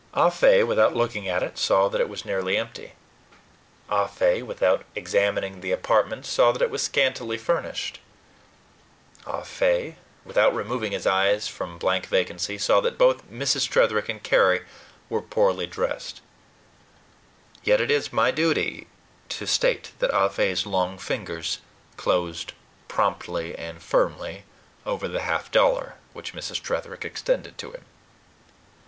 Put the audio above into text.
Ah Fe, without looking at it, saw that it was nearly empty. Ah Fe, without examining the apartment, saw that it was scantily furnished. Ah Fe, without removing his eyes from blank vacancy, saw that both Mrs. Tretherick and Carry were poorly dressed. Yet it is my duty to state that Ah Fe's long fingers closed promptly and firmly over the half dollar which Mrs. Tretherick extended to him.